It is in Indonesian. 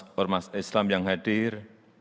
yang saya hormati pertama pertama